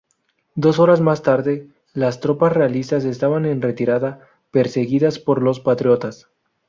Dos horas más tarde, las tropas realistas estaban en retirada, perseguidas por los patriotas.